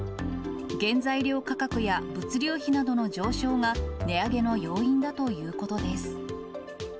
原材料価格や物流費などの上昇が値上げの要因だということです。